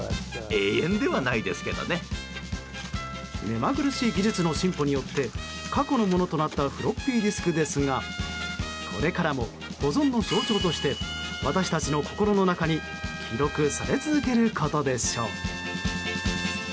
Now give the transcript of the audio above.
目まぐるしい技術の進歩によって過去のものとなったフロッピーディスクですがこれからも保存の象徴として私たちの心の中に記録され続けることでしょう。